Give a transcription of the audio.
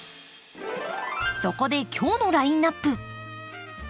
そこで今日のラインナップ。